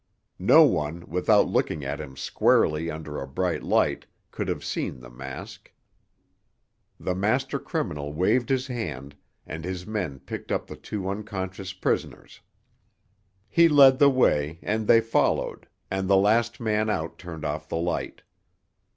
No one, without looking at him squarely under a bright light, could have seen the mask. The master criminal waved his hand, and his men picked up the two unconscious prisoners. He led the way, and they followed, and the last man out turned off the light.